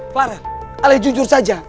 farhan alih jujur saja